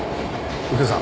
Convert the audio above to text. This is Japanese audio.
右京さん